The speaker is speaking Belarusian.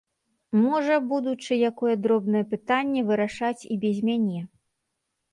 Можа, будучы, якое дробнае пытанне вырашаць і без мяне.